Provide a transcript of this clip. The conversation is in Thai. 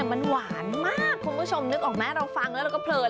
มันหวานมากคุณผู้ชมนึกออกไหมเราฟังแล้วเราก็เพลิน